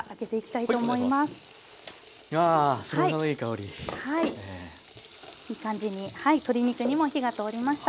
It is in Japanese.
いい感じにはい鶏肉にも火が通りました。